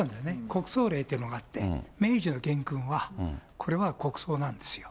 国葬令っていうのがあって、明治の元勲は、これは国葬なんですよ。